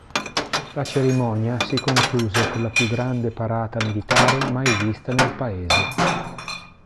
La cerimonia si concluse con la più grande parata militare mai vista nel Paese.